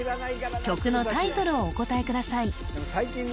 曲のタイトルをお答えください